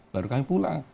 baru kami pulang